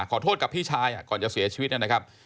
ขอโทษกับพี่ชายก่อนจะเสียชีวิตนะครับ